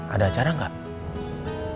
ada acara gak